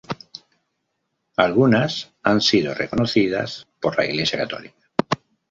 Algunas han sido reconocidas por la Iglesia católica.